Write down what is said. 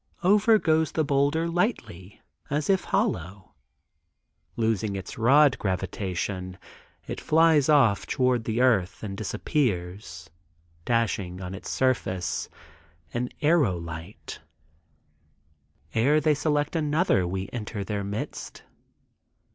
Over goes the boulder lightly as if hollow. Losing its rod gravitation it flies off toward the earth and disappears (dashing on its surface—an aerolite). Ere they select another we enter their midst.